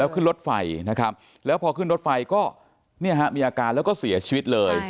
ขึ้นรถไฟนะครับแล้วพอขึ้นรถไฟก็เนี่ยฮะมีอาการแล้วก็เสียชีวิตเลย